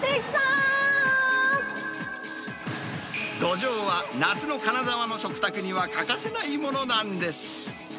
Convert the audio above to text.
ドジョウは、夏の金沢の食卓には欠かせないものなんです。